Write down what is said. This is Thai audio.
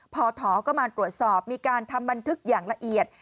พอถอก็มาตรวจสอบมีการทำบันทึกอย่างละเอียด